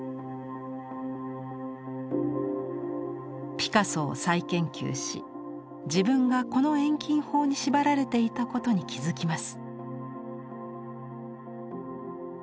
ピカソを再研究し自分がこの遠近法に縛られていたことに気付きます。